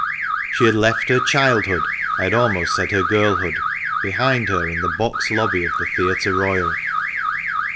She had left her childhood (I had almost said her girlhood) behind her in the box lobby of the Theatre Royal.